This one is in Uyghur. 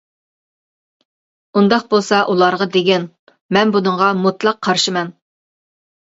-ئۇنداق بولسا ئۇلارغا دېگىن، مەن بۇنىڭغا مۇتلەق قارشىمەن.